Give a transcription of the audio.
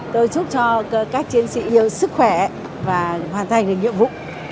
tôi chúc cho các chiến sĩ yêu sức khỏe và hoàn thành những nhiệm vụ